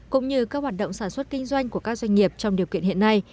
cũng như các hoạt động sản xuất kinh doanh của các doanh nghiệp trong điều kiện hiện nay